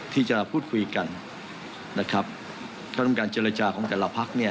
ที่จะพูดคุยกันนะครับก็ต้องการเจรจาของแต่ละพักเนี่ย